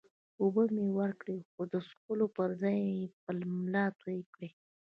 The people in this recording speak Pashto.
اوبه مې ورکړې، خو ده د څښلو پر ځای پر ملا توی کړې.